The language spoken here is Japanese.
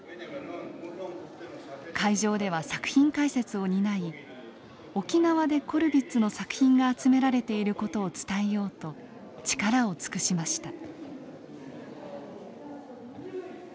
会場では作品解説を担い沖縄でコルヴィッツの作品が集められている事を伝えようと力を尽くしました。